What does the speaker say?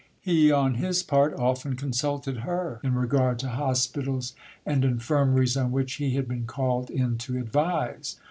He on his part often consulted her in regard to hospitals and infirmaries on which he had been called in to advise.